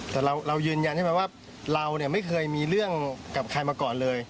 แต่เรายืนยันใช่ไหมว่าเราไม่เคยมีเรื่องกับใครมาก่อนเลย